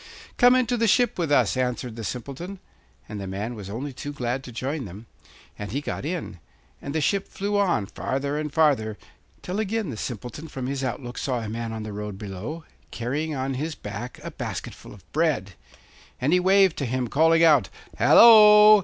'Come into the ship with us,' answered the Simpleton; and the man was only too glad to join them, and he got in; and the ship flew on, farther and farther, till again the Simpleton from his outlook saw a man on the road below, carrying on his back a basket full of bread. And he waved to him, calling out: 'Hallo!